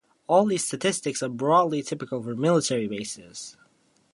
All these statistics are broadly typical for military bases.